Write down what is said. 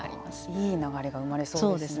いい流れが生まれそうですね。